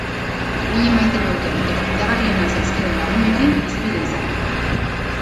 Gehien maite nauten eta fidagarrienak zaizkidan lagunekin hizpide izan dut.